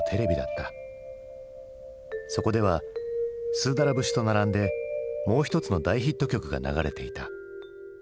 そこでは「スーダラ節」と並んでもう一つの大ヒット曲が流れていた。